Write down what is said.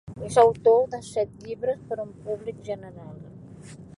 És autor de set llibres per a un públic general.